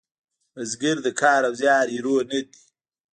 بزګر د کار او زیار هیرو نه دی